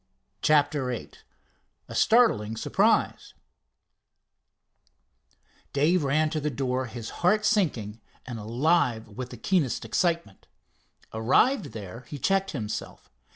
CHAPTER VIII A STARTLING SURPRISE Dave ran to the door, his heart sinking, and alive with the keenest excitement. Arrived there, he checked himself.